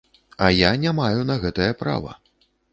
А я не маю на гэтае права.